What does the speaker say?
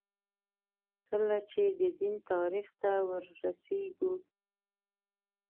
کله چې د دین تاریخ ته وررسېږو.